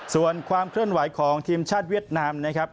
ส่วนความเคลื่อนไหวของทีมชาติเวียดนามนะครับ